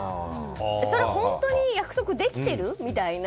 それ本当に約束できてる？みたいな。